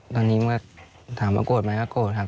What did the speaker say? ตอนนี้มันก็ถามว่าโกรธไหมก็โกรธครับ